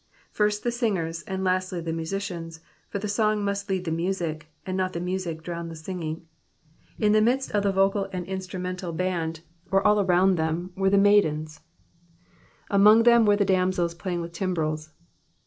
First the singers, and lastly the musicians, for the song must lead the music, and not the music drown the singing. In the midst of the Tocal and instrumental band, or all around them, were the maidens :^^ among them were the damsels playing vith timbrels.''''